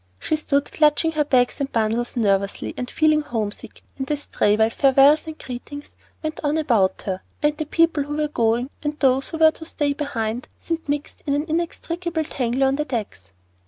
She stood clutching her bags and bundles nervously and feeling homesick and astray while farewells and greetings went on about her, and the people who were going and those who were to stay behind seemed mixed in an inextricable tangle on the decks.